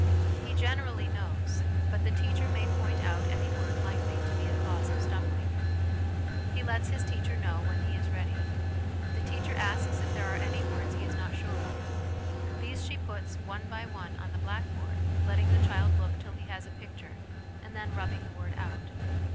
He generally knows, but the teacher may point out any word likely to be a cause of stumbling. He lets his teacher know when he is ready. The teacher asks if there are any words he is not sure of. These she puts, one by one, on the blackboard, letting the child look till he has a picture, and then rubbing the word out.